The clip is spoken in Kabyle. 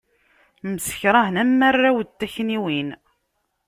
Msekṛahen am warraw n takniwin.